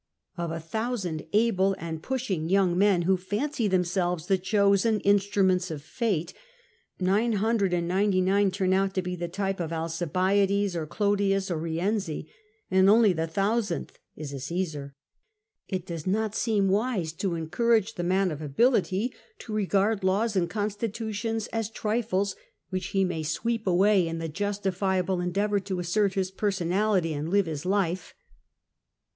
Of a thousand able and pushing young men who fancy themselves the chosen instruments of fate, nine hundred and ninety nine turn out to be of the type of Alcibiades or Clodius or Eienzi, and only the thousandth is a Caesar. It does not seem wise to encourage the man of ability to regard laws and con stitutions as trifles, which he may sweep away in the justi fiable endeavour to assert his personality and live his life.